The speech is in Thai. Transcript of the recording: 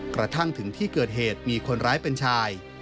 กระทั่งถึงที่เกิดเหตุมีคนร้ายเป็นชาย